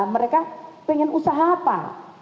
mereka ingin usaha apa